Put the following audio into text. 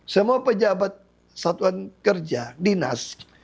semua pejabat satuan kerja dinas